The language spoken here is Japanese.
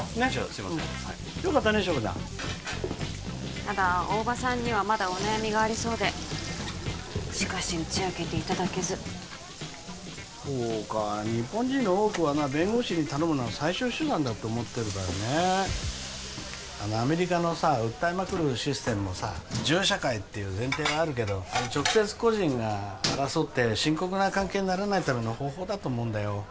すいませんよかったね硝子ちゃんただ大庭さんにはまだお悩みがありそうでしかし打ち明けていただけずそうか日本人の多くはな弁護士に頼むのは最終手段だって思ってるからねアメリカのさ訴えまくるシステムもさ銃社会っていう前提はあるけど直接個人が争って深刻な関係にならないための方法だと思うんだよ